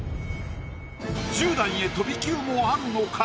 １０段へ飛び級もあるのか？